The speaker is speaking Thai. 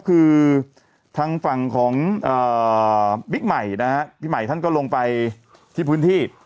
คือทางฝั่งของบิ๊กใหม่นะฮะพี่ใหม่ท่านก็ลงไปที่พื้นที่